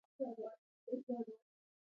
د سبزۍ دکان کوم طرف ته دی؟